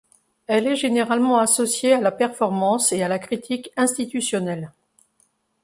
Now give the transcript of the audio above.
Elle est généralement associée à la performance et à la critique institutionnelle.